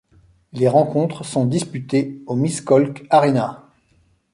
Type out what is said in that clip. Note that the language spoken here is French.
Les rencontres sont disputées au Miskolc Arena.